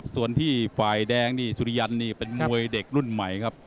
ส่วนที่ฝ่ายแดงนี่สุริยันนี่เป็นมวยเด็กรุ่นใหม่ครับ